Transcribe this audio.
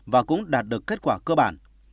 và cũng đạt được kết quả cơ bản